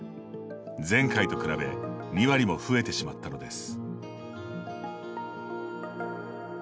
前回と比べ２割も増えてしまったのです。